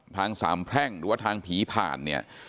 ทางสามแพร่งหรือว่าทางผีผ่านเนี่ย